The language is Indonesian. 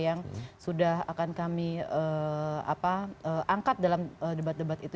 yang sudah akan kami angkat dalam debat debat itu